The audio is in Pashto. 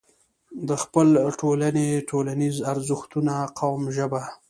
د خپلې ټولنې، ټولنيز ارزښتونه، قوم، ژبه